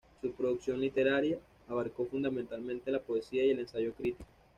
Su producción literaria abarcó, fundamentalmente, la poesía y el ensayo crítico.